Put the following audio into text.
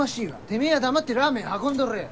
てめぇは黙ってラーメン運んどれや。